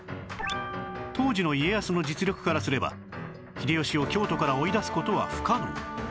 当時の家康の実力からすれば秀吉を京都から追い出す事は不可能